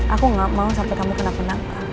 aku gak mau sampe kamu kena penapa